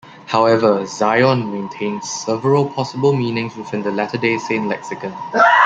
However, "Zion" maintains several possible meanings within the Latter Day Saint lexicon.